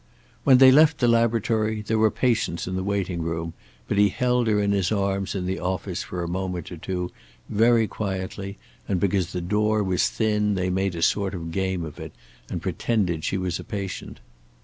When they left the laboratory there were patients in the waiting room, but he held her in his arms in the office for a moment or two, very quietly, and because the door was thin they made a sort of game of it, and pretended she was a patient.